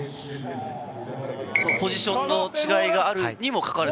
ポジションの違いがあるにも関わらず？